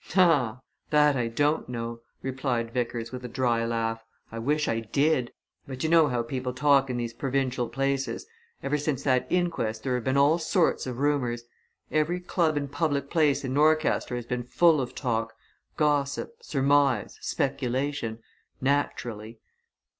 "Ah, that I don't know!" replied Vickers, with a dry laugh. "I wish I did. But you know how people talk in these provincial places ever since that inquest there have been all sorts of rumours. Every club and public place in Norcaster has been full of talk gossip, surmise, speculation. Naturally!"